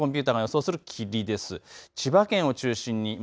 これがコンピューターの予想する霧です。